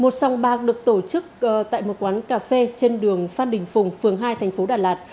một song bạc được tổ chức tại một quán cà phê trên đường phan đình phùng phường hai thành phố đà lạt